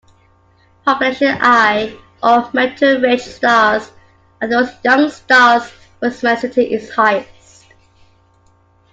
Population I, or metal-rich stars, are those young stars whose metallicity is highest.